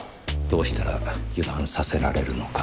どうしたら油断させられるのか。